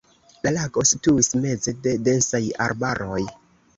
La lago situis meze de densaj arbaroj.